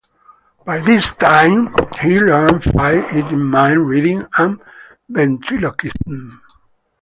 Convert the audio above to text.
By this time, he learned fire-eating, mind-reading and ventriloquism.